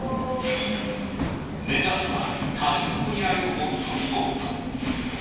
目指すは谷底にあるホットスポット。